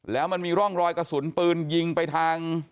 แล้วมันมีร่องรอยกระสุนปืนยิงไปทาง